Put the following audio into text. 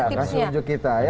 boleh gak kasih unjuk kita ya